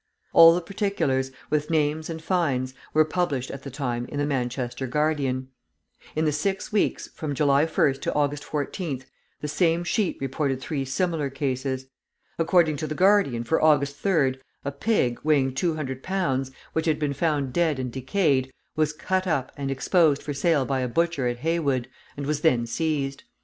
All the particulars, with names and fines, were published at the time in the Manchester Guardian. In the six weeks, from July 1st to August 14th, the same sheet reported three similar cases. According to the Guardian for August 3rd, a pig, weighing 200 pounds, which had been found dead and decayed, was cut up and exposed for sale by a butcher at Heywood, and was then seized.